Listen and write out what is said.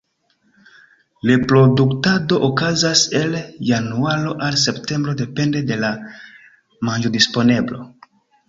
Reproduktado okazas el januaro al septembro depende de la manĝodisponeblo.